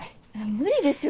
無理ですよ